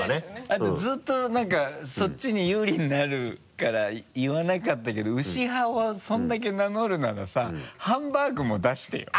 あとずっとなんかそっちに有利になるから言わなかったけど牛派をそれだけ名乗るならさハンバーグも出してよ。